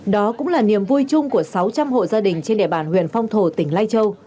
đó cũng là niềm vui chung của sáu trăm linh hộ gia đình trên địa bàn huyện phong thổ tỉnh lai châu